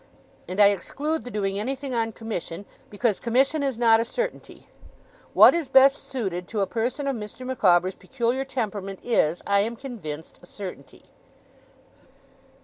And I exclude the doing anything on commission, because commission is not a certainty. What is best suited to a person of Mr. Micawber's peculiar temperament is, I am convinced, a certainty.